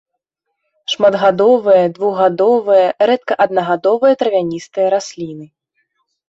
Шматгадовыя, двухгадовыя, рэдка аднагадовыя травяністыя расліны.